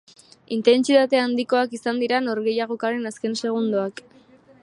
Intentsitate handikoak izan dira norgehiagokaren azken segundoak.